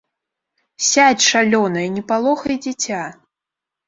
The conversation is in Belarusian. Сядзь, шалёная, не палохай дзіця!